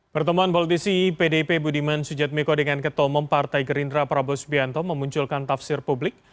pertemuan politisi pdp budiman sujatmiko dengan ketomong partai gerindra prabowo subianto memunculkan tafsir publik